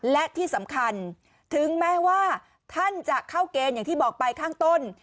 และที่สำคัญถึงแม้ว่าท่านจะเข้าเกณฑ์อย่างที่บอกไปข้างต้น